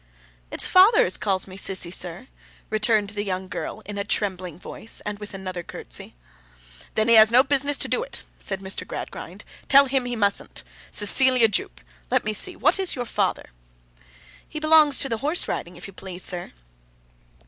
'It's father as calls me Sissy, sir,' returned the young girl in a trembling voice, and with another curtsey. 'Then he has no business to do it,' said Mr. Gradgrind. 'Tell him he mustn't. Cecilia Jupe. Let me see. What is your father?' 'He belongs to the horse riding, if you please, sir.